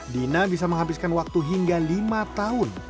dina bisa menghabiskan waktu hingga lima tahun